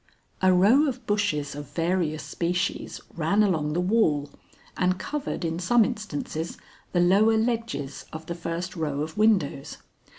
A row of bushes of various species ran along the wall and covered in some instances the lower ledges of the first row of windows.